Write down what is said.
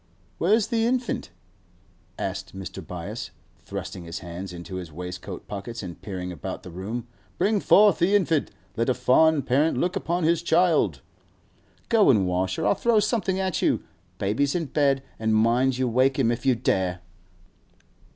'Where's the infant?' asked Mr. Byass, thrusting his hands into his waistcoat pockets and peering about the room. 'Bring forth the infant! Let a fond parent look upon his child.' 'Go an' wash, or I'll throw something at you. Baby's in bed, and mind, you wake him if you dare!